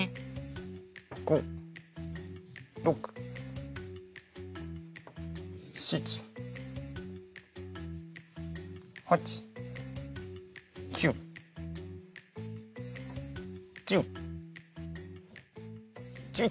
５６７８９１０１１。